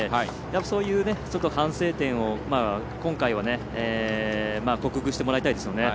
そういう反省点を今回は克服してもらいたいですよね。